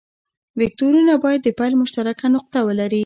وکتورونه باید د پیل مشترکه نقطه ولري.